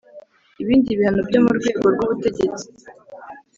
ibindi bihano byo mu rwego rw ubutegetsi